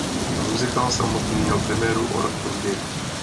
Muzikál samotný měl premiéru o rok později.